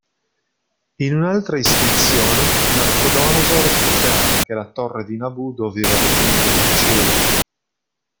In un'altra iscrizione Nabucodonosor dichiara che la torre di Nabu doveva raggiungere il cielo.